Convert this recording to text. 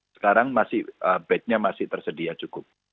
sekarang masih bednya masih tersedia cukup